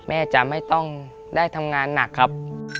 แม่จะไม่ต้องได้ทำงานหนักครับ